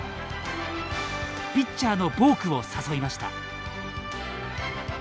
ピッチャーのボークを誘いました。